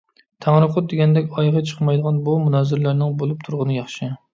تەڭرىقۇت دېگەندەك ئايىغى چىقمايدىغان بۇ مۇنازىرىلەرنىڭ بولۇپ تۇرغىنى ياخشى.